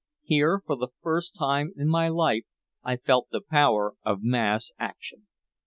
Here for the first time in my life I felt the power of mass action.